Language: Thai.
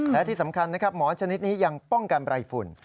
และที่สำคัญนะครับหมอชนิดนี้ยังป้องกันไรฝุ่น